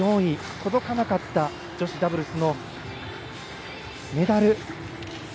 届かなかった女子ダブルスのメダル